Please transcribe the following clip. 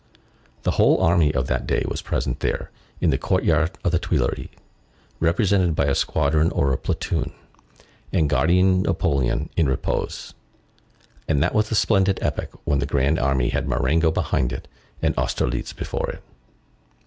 The whole army of that day was present there, in the court yard of the Tuileries, represented by a squadron or a platoon, and guarding Napoleon in repose; and that was the splendid epoch when the grand army had Marengo behind it and Austerlitz before it.